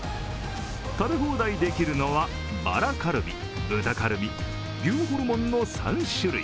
食べ放題できるのはバラカルビ豚カルビ牛ホルモンの３種類。